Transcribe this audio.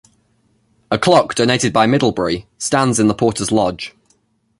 A clock donated by Middlebury stands in the Porters' Lodge.